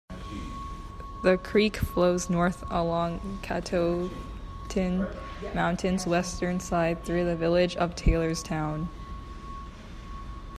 The creek flows north along Catoctin Mountain's western side through the village of Taylorstown.